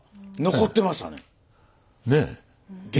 残ってましたね。